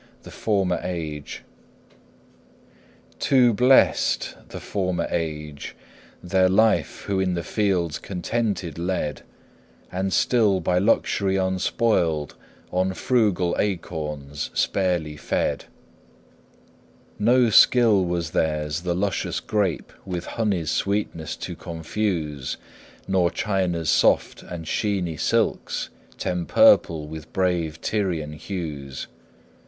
THE FORMER AGE. Too blest the former age, their life Who in the fields contented led, And still, by luxury unspoiled, On frugal acorns sparely fed. No skill was theirs the luscious grape With honey's sweetness to confuse; Nor China's soft and sheeny silks T' empurple with brave Tyrian hues.